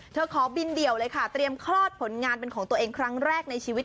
ขอบินเดี่ยวเลยค่ะเตรียมคลอดผลงานเป็นของตัวเองครั้งแรกในชีวิต